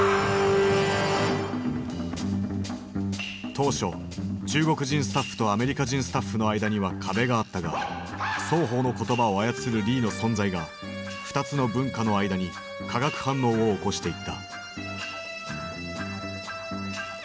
当初中国人スタッフとアメリカ人スタッフの間には壁があったが双方の言葉を操るリーの存在が２つの文化の間に化学反応を起こしていった。